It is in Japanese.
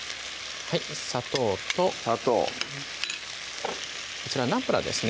はい砂糖と砂糖こちらナンプラーですね